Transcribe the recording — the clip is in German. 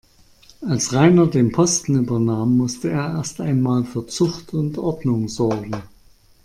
Als Rainer den Posten übernahm, musste er erst einmal für Zucht und Ordnung sorgen.